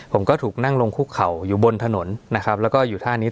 ผมก็ถูกนั่งลงคุกเข่าอยู่บนถนนนะครับแล้วก็อยู่ท่านี้